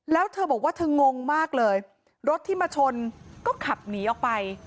แล้วเธอบอกว่าเธองงมากเลยรถที่มาชนก็ขับหนีออกไป